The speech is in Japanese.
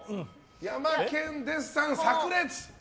ヤマケン・デッサン、炸裂！